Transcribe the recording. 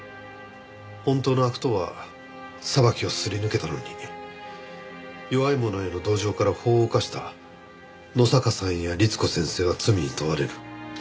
本当の悪党は裁きをすり抜けたのに弱い者への同情から法を犯した野坂さんや律子先生は罪に問われる。